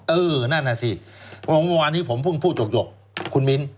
เออนั่นน่ะสิเพราะวันที่ผมพึ่งพูดโยกคุณมิ้น